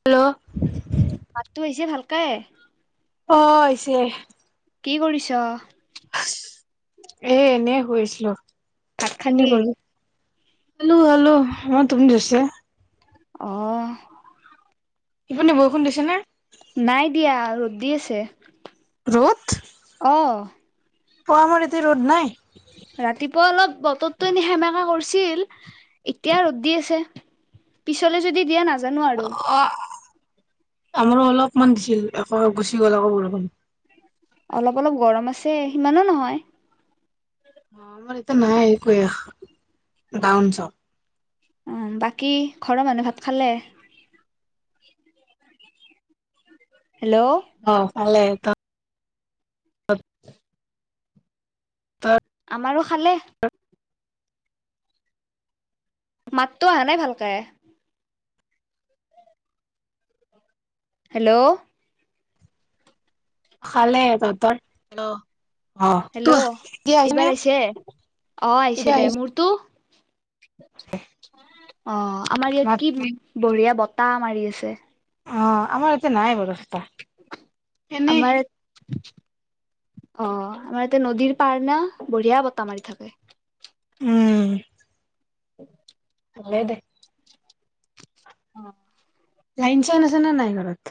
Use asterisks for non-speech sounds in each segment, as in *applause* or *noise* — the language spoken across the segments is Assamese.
হেল্ল' ভাতটো আহিছে ভালকাই অ হৈছে কি কৰিছ এ এনে হৈছিলো ভাত খালি চিনিলো হেল্লো হেল্লো মই তুম দিছে আহ ইপুনে বৰষুণ দিছে নে নাই দিয়া ৰ' দি আছে ৰ'দ অ অ আমাৰ এতিয়া ৰ'ড নাই ৰাতিপুৱা অলপ বতৰতটো এনে সেমেকাা কৰিছিল এতিয়া ৰ' দি আছে পিছলে যদি দিয়া নাযান জানোৱাৰাৰু অ আমাৰো অলপমান দিছিল একো গুচি গ'ল আকৌ বৰষুণ অলপ অলপ গৰম আছে সিমানো নহয় অ আমাৰ এতিয়া নাই গন চ উ বাকী ঘৰৰ মানুহে ভাত খালে হেল্ল' অ ভালে ত ত আমাৰো খালে মাতটো অা নাই ভালকে হেল্ল' খালে ততৰ হেল্ল' এইবাৰ আহিছে অ আহিছে দে মোৰতো *inaudible* অ আমাৰ ইয়াত মাত কি বঢ়িয়া বতাহ মাৰি আছে অ আমাৰ এতিয়া নাই বাৰু এনেই আমাৰ অ আমাৰ এতিয়া নদীৰ পাৰ না বঢ়িয়া বতাহ মাৰি থাকে উম উ এনেই দে অম লাইন চাইন আছে নে নাই ঘৰত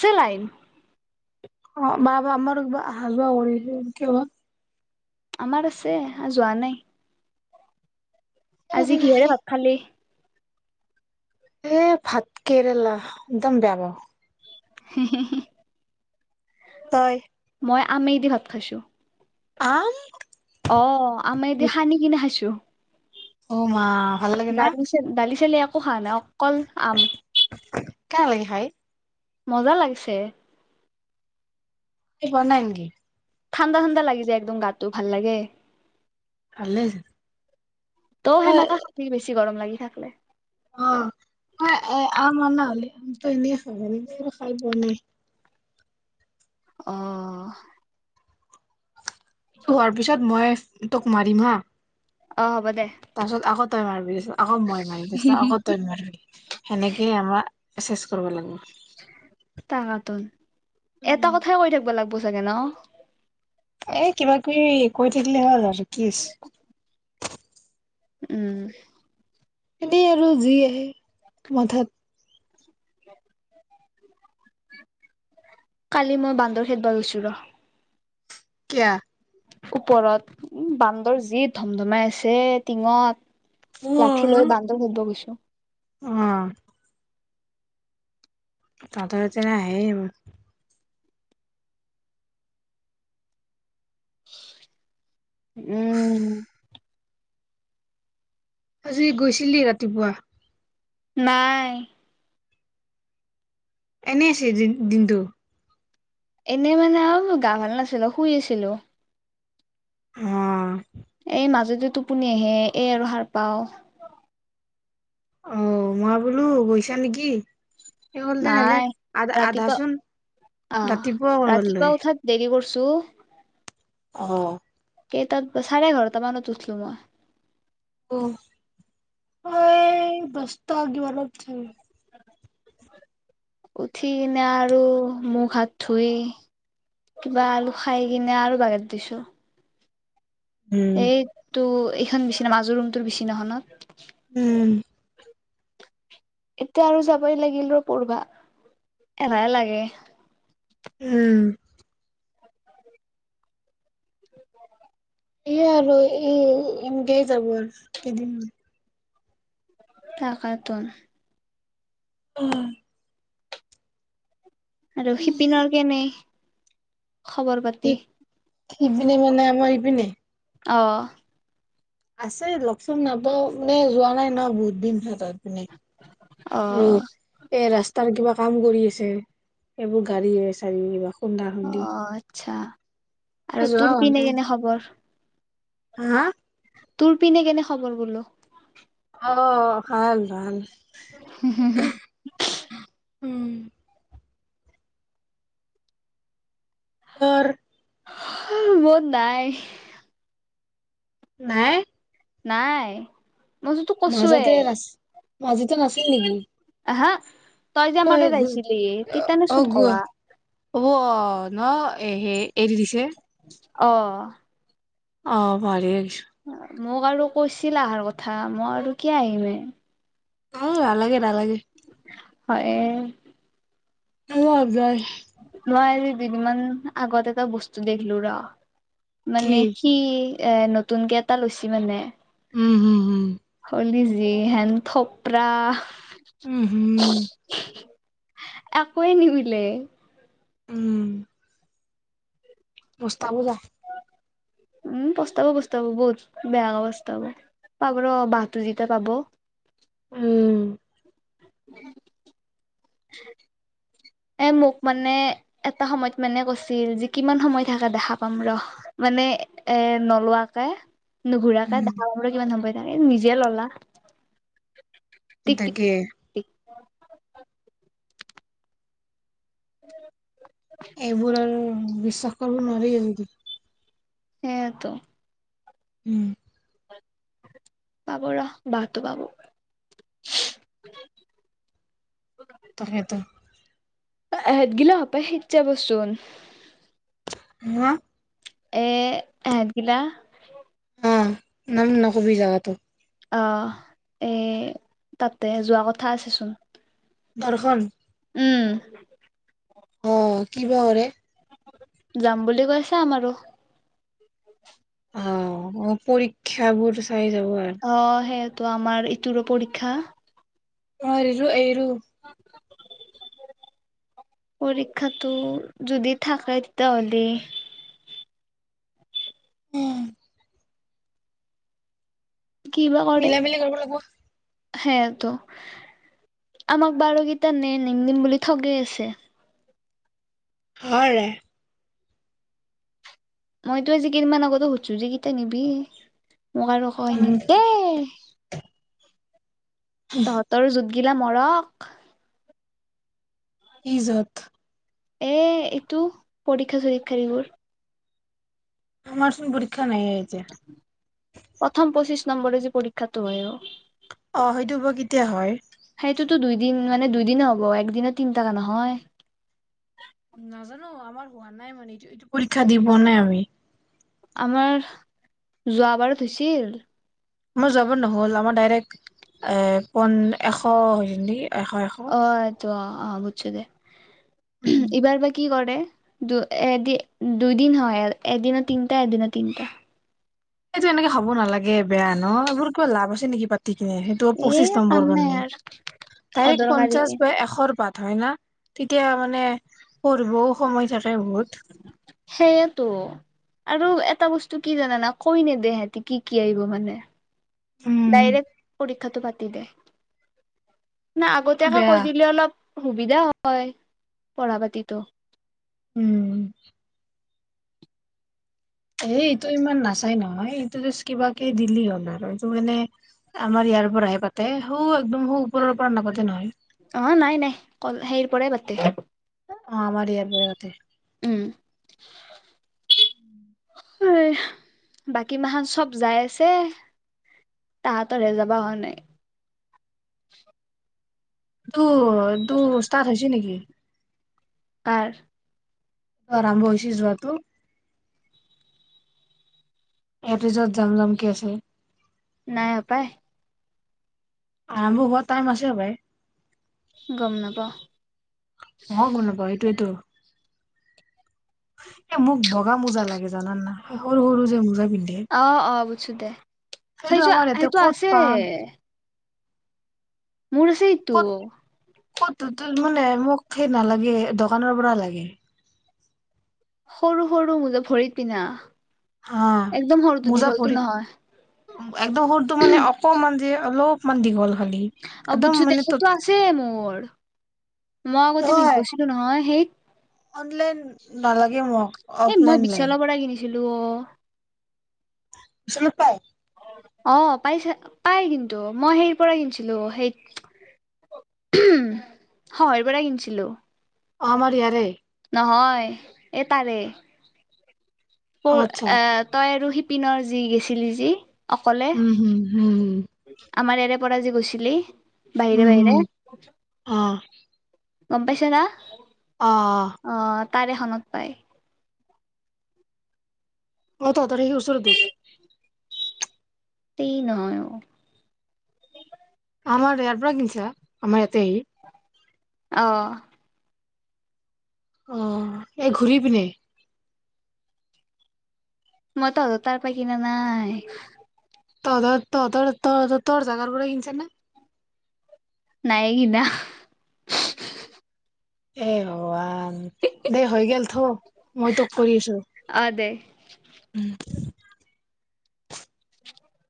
চেলাইন অ বা বা আমাৰ কিব অহা যোৱা কৰিছে কিয় আমাৰ আছে আৰু যোৱা নাই আজি কিহেৰে ভাত খালি এ ভাত কেৰেলা একদম বেয়া পাওঁ হে হে হে তই আমেই দি ভাত খাইছো আম অ আমেদি সানি কিনে খাইছো অমা ভাল লাগে না পোহা নাই অকল আম কেনে লাগে ভাই মজা লাগিছে তুমি পোৱা নাই নেকি ঠাণ্ডা ঠাণ্ডা লাগি যায় একদম গাটো ভাল লাগে ভালে হৈছে তৌ মই সেনেকা খাবি বেছি গৰম লাগিলে থাকলে অ ম এ আম অনা হ'লে আমটো এনে খাব খাই পোৱা নাই অহ এইটো হোৱাৰ পিছত মই তোক মাৰিম হা অ দে তাৰপিছত আকৌ তই মাৰিবি ত আকৌ মই মাৰিম আকৌ তই মাৰিবি সেনেকেই আমাৰ এছ এছ কৰিব লাগিব তাকাতোন এটা উম কথাই কৈ থাকব লাগব চাগে ন এ কিবা কিবি কৈ থাকিলে হল আৰু কি আছে উম এনেই আৰু জুই আহে মাথাত কালি মই বান্দৰ খেদব গৈছো ৰ কিয় ওপৰত উ বান্দৰ যি ধম ধমাই আছে টিঙত মোৰ লাঠি লৈ বান্দৰ হব গৈছো অ তততেনে আহ উম আজি গৈছিলি ৰাতিপুৱা নাই এনেই আছে দিনটো এনেই মানে অ গা ভাল নাছিলো শুই আছিলো হ এই মাজতে টোপনি আহে এই আৰু সাৰ পাও অ মই বোলো গৈছা নেকি সেই হ'ল তেনেহ'লে নাই আধা ৰাতিপা আধাচোন অ ৰাতিপুৱা কৰবাত লৈ ৰাতিপুৱা উঠাত দেৰি কৰিছো সু অ কেইটাত চাৰে এঘাৰটা মানত উঠিলো মই অ হয় বছ আগিিবালত থ উঠি কিনে আৰু মুখ হাত ধুই কিবা আলু খাই কিনে আৰু বাগত দিছো উম এইেইটোো এইখন বিচিনা মাজৰ ৰুমটোৰ বিচিনাখননত উম এতিয়া আৰু যাবই লাগিল ৰ পঢবা এন লাগে উম এ আৰু এইম গেই যাব আৰু কদম তাকাতন অ আৰু শিপিনৰ কেনে খবৰ পাতি স সিপনে মানে আমাৰ ন অ আছে লগচান নাপাে যোৱা নাই ন বহুত দিন ভত আৰু অ', এই ৰাস্ত তাৰ কিবা কাম কৰি আছে এইেইবোৰ গাড়ীয়ে চাৰ বা উন্দ হ অ', আচ্ছা আৰু তোৰ পিনে কেনে খবৰ হা তোৰ পিনে কেনে খবৰ গলো অঁ খ ভাল হম হুম হু উম ঘৰ মত নাই নাই নাই মইতো তোক কৈছোৱে মাজতে নাছিল মাজতে নাছিল নেকি আহা তই যে অ মাটত আহাইছিলি অ তিতানচোন গু কলা অ ন এ হে এৰি দিছে অ আহ ভালি আ। *unintelligible* মোক আৰু কৈছিল আহাৰ কথা মই আৰু কি আহিম এ। অ আালাগে নালাগে হয় এ শক যায় মই আজি দুদিনমান আগত এটা বস্তু দেখিলো ৰ। কি মানে স এ নতুনকে এটা লৈছ মানে উম হু হু খলি যি হেন থোপ্ৰা উম হম একোৱে নিমিলে। উম বুজ্তা বুজা উম পস্তাব পস্তাব বহুত বেয়াৈ পস্তাব পাব ৰ বাহটো যেতিয়া পাব উম। এ মোক মানে এটা সময়ত মানে কৈছিল যে কিমান সময় থাকে দেখা পাম ৰ মানে এ নলোৱাকে নুঘুৰাকা ধ উম কিমান সমৰ নিজে ললা টিক টিক তাগে টিক উ এইবোৰ আৰু বিশ্বাস কৰোৰ নৰি য সেইতো উম পাব ৰহ বটো পাব তাকেেত আহতগিল প সত্য বচোন ন এ হাগিলা। অ নাম নকবি জাগাাতটো অ এ তাতে যোৱা কথা আছেচোন ধৰ্ষণ উম অ কি বৰে যাম বুলি কৈছাাম আৰু অ অ পৰীক্ষ বোৰ খাই যাব আৰু তো আমাৰ ইটোুৰো পৰীক্ষা অ গ পৰীক্ষাতটো যদি থাকে তেতিয়াাহ'লে উম মিলাই মিলি কৰিব লাগিব সেইটোো আমাক বাৰগেইটা নে নিম দিম বুলি ঠগে আছে হ মইতো আজি কেইদমান আগতে সুধছো যে কেইটা নিবিি মোক আৰু হয় উম নি দে তহঁতৰ যুদ্ধ গিলা মৰক ইজত এ এইটো পৰীক্ষা চৰীক্ষা এইবোৰ আমাৰচোন পৰীক্ষা নাই আহতি নম্বৰে যে পৰীক্ষাটো হয় অ সেইটো ব কেতিয়া হয় টো দুইদিন মানে দুইদিনে হ'ব এক দিনে তিন টকা নহয় নাজানো আমাৰ হোৱা নাই মানে এইটো এইটো পৰীক্ষা দি পোৱা নাই আমি আমাৰ যোৱ বাৰত হৈছিল মই যাব নহ'ল আমাৰ ডাইৰেক্ট এ পন এশ এশ অ এইটো হ'ব অহ। উচ দে উম এইবাৰ বা কি কৰে। তে উ এদ দুদিন হয় এদিন তিনিটা এদিন তিনিটা এইটো এনেকে খাবব নালাগে বেয়া ন এইবোৰ কিবা লাভ আছে নেকি পা পতি কিনে সেইটো এ পঁচিশ নম্বৰ কাম নাই কাৰণে আৰু তাৰিখ পঞ্চাশ অদৰকাৰীকে বা এশৰ বাট হয় ন তেতিয়া মানে পঢ়ও সময় থাক। সেইয়েতো আৰু এটা বস্তু কি জানানা কৈ ন দে হতি কি কি আহিব মানে উম ডাইৰেকট কৰি। কথাটো পাতি দে। নে সেইটো আগতিয়াকে বেয়া কৈ দিলে অলপ সুবিধা হয় পঢ়া পাতিটো। উম এ এইটো ইমান নাচাই নহয় এইটো জাষ্ট কিবা কে দিলি হ'ল আৰু এইটো মানে আমাৰ ইয়াৰ পৰাহে পাতে সৌ একদম সৌ ওপৰৰ পৰা নাপাতে নহয়। অ নাই নাই ক সেইৰ পৰাই পাতে অ আমাৰ ইয়াৰ পৰাই পাতে উম ইহ বাকী মাহান চব যাই আছে তাহাঁতৰহে যাবা হোৱা নাই দু দু ষ্টাৰ্ট হৈছে নেকি? কাৰ আৰাম্ভ হৈছি যোৱাটো। এহঁতি চব যাম যামকে আছে। নাই অ পায়। আহ ব বহুত টাইম আছে হপাই গম নাপাও ম গম নাপাওঁ সেইটোৱেইটো। এ মোক বগা মোজা লাগে। জাননা হে সৰু সৰু যে মোজা পিন্ধে অ অ বুইছো দে সেইটো আমাৰ ইয়াতে সেইটো ক'ত আছে। পাম মোৰ আছে সেইটো ক'ত ক'ত তু তু মানে মোক সেই নালাগে দোকানৰ পৰা লাগে। সৰু সৰু মোজা ভৰিত পিন্ধা। হা একদম সৰুটো মোজা দীঘলটো পৰি নহয়। একদম সৰুটো মানে অকমান যে অলপমান দীঘল। খালি অ একদম বুজছো দে মানে তো ত সেইটো আছে মোৰ বৰ মই আগতে পিন্ধি হয় গৈছিলো নহয় সেই অনলাইন নালাগে মোক অফলাইন লাগে দিলো অ চোনোক পায় অ পাইছে পাই কিন্তু মই সেই পৰা কিনছিলো সেই উমহ হয়ৰ পৰা কিনিছিলো অমাৰ ইয়াৰে নহয় এ তাৰে অ পোৰ আচ্ছা এ তই আৰু সি পিনৰ যি গেছিলি যি অকলে উম হম হম আমাৰ এৰে পৰা যে গৈছিলি হম হম বাহিৰে হম বাহিৰে অ গম পাইছা না অ অ তাৰে এখনত পায় অ তাৰ সি ওচৰত হেই নহয় অ আমাৰ ইয়াৰ পৰা কিনছা আমাৰ ইয়াতে আহ অ এ ঘূৰি পিনে মই তহতৰ পৰা কিনা নাই তহ তহ তহত তহ তোৰ দাদ পৰা কিনিছে না নাই কিনা এ ভগৱান দেই হৈ গল থ মই তোক ফুৰি আছো অ দে উম